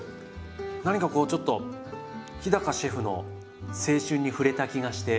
何かこうちょっと日シェフの青春に触れた気がしてうれしかったです。